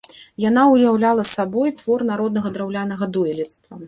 Яна ўяўляла сабой твор народнага драўлянага дойлідства.